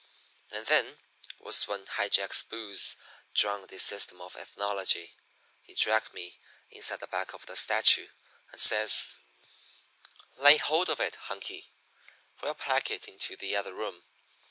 "And then was when High Jack's booze drowned his system of ethnology. He dragged me inside back of the statue, and says: "'Lay hold of it, Hunky. We'll pack it into the other room.